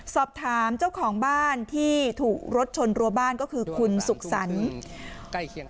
สอบถามเจ้าของบ้านที่ถูกรถชนรัวบ้านก็คือคุณสุขสรรค์